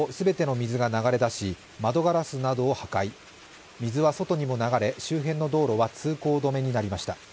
水は外にも流れ周辺の道路は通行止めになりました。